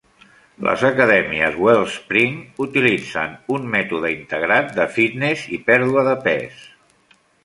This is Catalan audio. Les acadèmies Wellspring utilitzen un mètode integrat de fitness i pèrdua de pes.